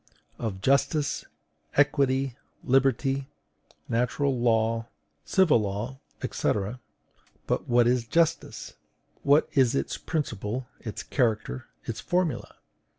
Of JUSTICE, EQUITY, LIBERTY, NATURAL LAW, CIVIL LAWS, &c. But what is justice? What is its principle, its character, its formula?